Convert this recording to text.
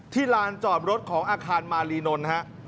ที่ลานจอดรถของอาคารมารีนล